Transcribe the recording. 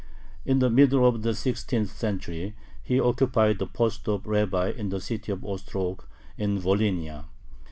In the middle of the sixteenth century he occupied the post of rabbi in the city of Ostrog, in Volhynia.